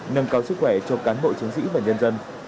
nâng cao sức khỏe cho cán bộ chiến sĩ và nhân dân